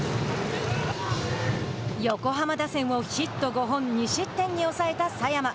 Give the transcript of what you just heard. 横浜打線をヒット５本２失点に抑えた佐山。